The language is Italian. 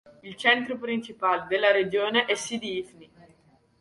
Il centro principale della regione è Sidi Ifni.